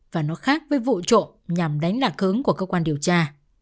và nó khác với vụ trộm nhằm đánh lạc hướng của cơ quan điều tra